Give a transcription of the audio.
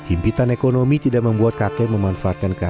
impitan ekonomi tidak membuat kakek memanfaatkan kekayaan